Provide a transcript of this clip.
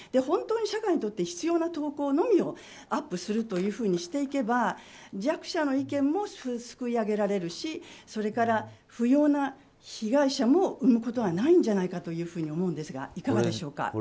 本当に社会にとって必要な投稿のみをアップするというふうにしていけば弱者の意見もすくい上げられるしそれから不要な被害者も生むことはないんじゃないかと思うんですがいかがでしょうか。